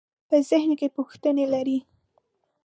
په ذهن کې پوښتنې لرئ؟